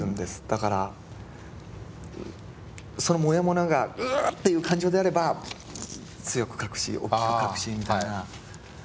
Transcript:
だからそのもやもやがうっていう感情であれば強く書くしおっきく書くしみたいな。